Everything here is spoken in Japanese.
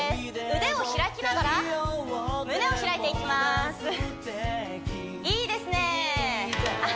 腕を開きながら胸を開いていきますいいですねあっ